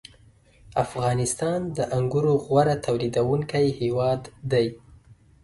• افغانستان د انګورو غوره تولیدوونکی هېواد دی.